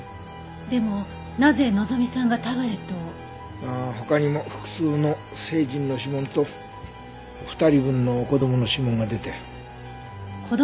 まあ他にも複数の成人の指紋と２人分の子供の指紋が出たよ。